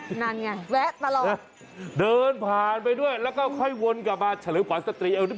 นั่นไงแวะตลอดเดินผ่านไปด้วยแล้วก็ค่อยวนกลับมาเฉลิมขวานสตรีเอวนิด